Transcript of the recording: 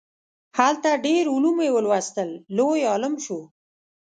هلته ډیر علوم یې ولوستل لوی عالم شو.